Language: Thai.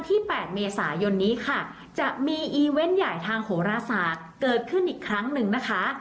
แปดเมษายนนี้ค่ะจะมีอีเวนต์ใหญ่ทางโหรศาสตร์เกิดขึ้นอีกครั้งหนึ่งนะคะ